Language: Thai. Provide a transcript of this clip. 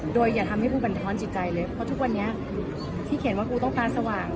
โดยอย่าทำให้กูบรรท้อนจิตใจเลยเพราะทุกวันนี้ที่เขียนว่ากูต้องการสว่าง